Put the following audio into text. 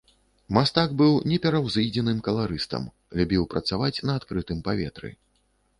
Мастак быў непераўзыдзеным каларыстам, любіў працаваць на адкрытым паветры.